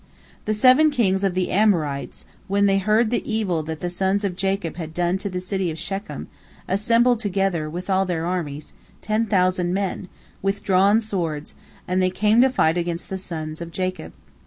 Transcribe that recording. The seven kings of the Amorites, when they heard the evil that the sons of Jacob had done to the city of Shechem, assembled together, with all their armies, ten thousand men, with drawn swords, and they came to fight against the sons of Jacob.